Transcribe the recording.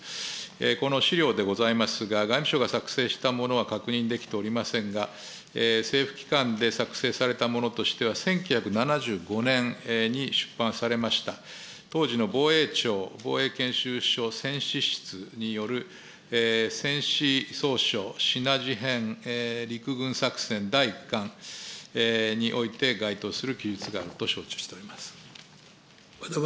この資料でございますが、外務省が作成したものは確認できておりませんが、政府機関で作成されたものとしては１９７５年に出版されました当時の防衛庁防衛研究所によるせんしそうしょしなじへん陸軍作戦第１巻において該当する記述があると承知をしております。